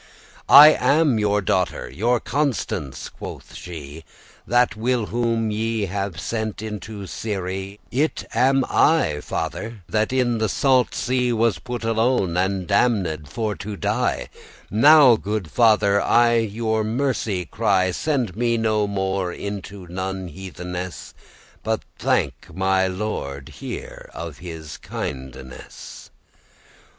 "I am your daughter, your Constance," quoth she, "That whilom ye have sent into Syrie; It am I, father, that in the salt sea Was put alone, and damned* for to die. *condemned Now, goode father, I you mercy cry, Send me no more into none heatheness, But thank my lord here of his kindeness."